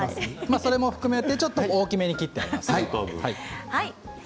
それも含めて、ちょっと大きめに切ってあります。